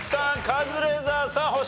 カズレーザーさん星獲得。